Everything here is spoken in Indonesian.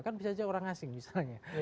kan bisa saja orang asing misalnya